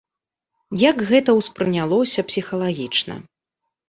Як гэта ўспрынялося псіхалагічна?